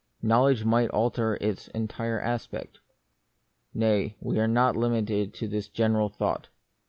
Knowledge might alter its entire aspect. Nay, we are not limited to this general thought.